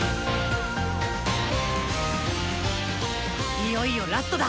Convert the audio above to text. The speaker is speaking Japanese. いよいよラストだ。